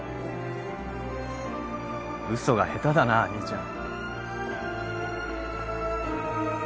嘘が下手だな兄ちゃん。